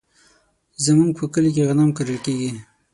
زمونږ په کلي کې غنم کرل کیږي.